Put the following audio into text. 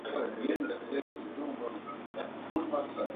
Nchi zinafafanua fahirisi zao kulingana na viwango vyao vya ubora